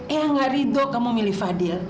eang nggak ridho kamu milih fadil